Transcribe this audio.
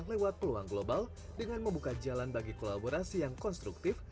lewat peluang global dengan membuka jalan bagi kolaborasi yang konstruktif